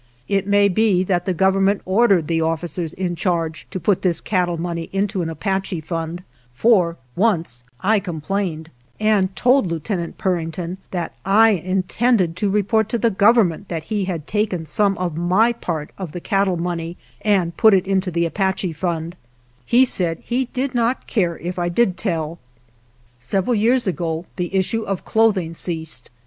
It may be that the Government ordered the officers in charge to put this cattle money into an Apache fund, for once I complained and told Lieutenant Purington 4 that I in tended to report to the Government that he ^/ had taken some of my part of the cattle^ money and put it into the Apache Fund, he said he did not care if I did tell. Several years ago the issue of clothing ceased.